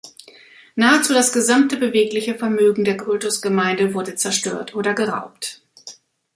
Nahezu das gesamte bewegliche Vermögen der Kultusgemeinde wurde zerstört oder geraubt.